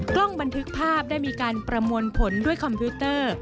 กล้องบันทึกภาพได้มีการประมวลผลด้วยคอมพิวเตอร์